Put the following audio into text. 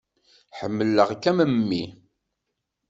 Ḥemmleɣ-k am mmi.